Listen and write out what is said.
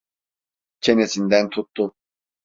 Çenesinden tuttu...